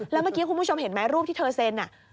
แล้วเมื่อกี้คุณผู้ชมเห็นไหมรูปที่เธอเซ็น